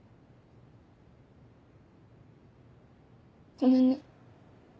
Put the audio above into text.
ごめんね。